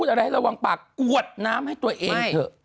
จะหัวน้ำให้ตัวเองเถอะ